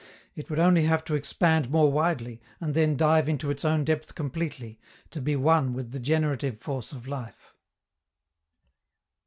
It would only have to expand more widely, and then dive into its own depth completely, to be one with the generative force of life.